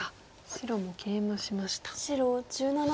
白もケイマしました。